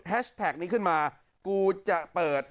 แท็กนี้ขึ้นมากูจะเปิด